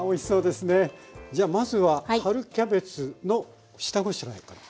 じゃあまずは春キャベツの下ごしらえから。